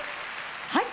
はい！